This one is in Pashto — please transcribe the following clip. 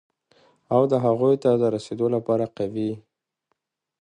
او د هغو ته د رسېدو لپاره قوي،